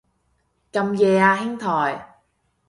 咁夜啊兄台